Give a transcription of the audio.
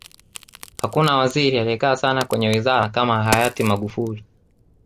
hakuna waziri aliyekaa sana kwenye wizara kama hayati magufuli